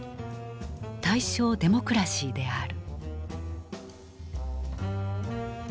「大正デモクラシー」である。